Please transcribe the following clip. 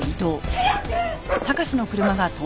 早く！